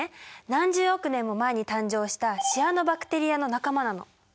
何十億年も前に誕生したシアノバクテリアの仲間なの。